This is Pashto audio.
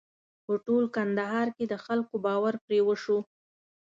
په ټول کندهار کې د خلکو باور پرې وشو.